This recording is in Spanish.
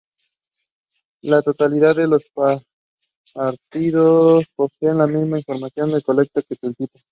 La totalidad de los paratipos poseen la misma información de colecta que el tipo.